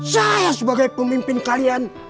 saya sebagai pemimpin kalian